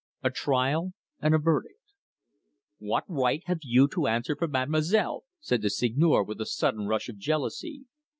A TRIAL AND A VERDICT "What right have you to answer for mademoiselle?" said the Seigneur, with a sudden rush of jealousy.